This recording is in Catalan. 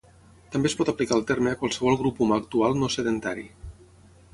També es pot aplicar el terme a qualsevol grup humà actual no sedentari.